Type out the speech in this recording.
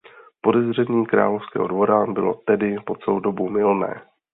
Podezření královského dvora bylo tedy po celou dobu mylné.